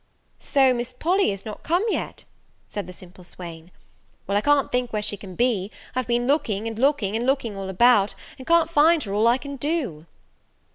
"So Miss Polly is not come yet!" said the simple swain: "well, I can't think where she can be! I've been looking, and looking, and looking all about, and can't find her all I can do."